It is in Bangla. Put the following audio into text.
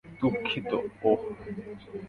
দুঃখিত, ওহ।